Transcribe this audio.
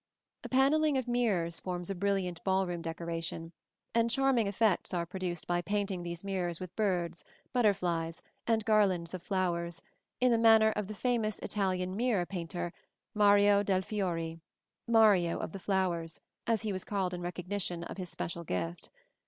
] A panelling of mirrors forms a brilliant ball room decoration, and charming effects are produced by painting these mirrors with birds, butterflies, and garlands of flowers, in the manner of the famous Italian mirror painter, Mario dei Fiori "Mario of the Flowers" as he was called in recognition of his special gift.